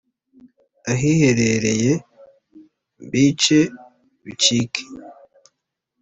ahiherereye mbice bicike